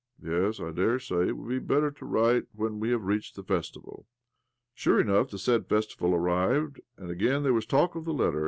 iies, 1 daresay it would be better to write when we have reachled the festival." Sure enough, the said festival arrived, and again there was talk of the letter.